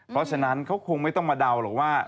เพราะฉะนั้นเขาคงไม่ต้องมาเดาหรอกว่า